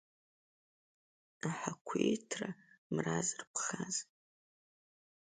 Ахақәиҭра мра зырԥхаз.